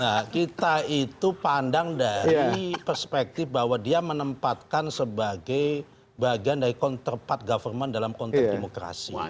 nah kita itu pandang dari perspektif bahwa dia menempatkan sebagai bagian dari counterpad government dalam konteks demokrasi